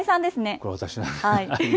これ、私なんです。